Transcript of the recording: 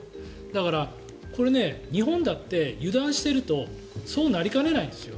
だからこれ日本だって油断しているとそうなりかねないんですよ。